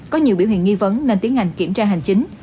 có nhiều biểu hiện nghi vấn nên tiến hành kiểm tra hành chính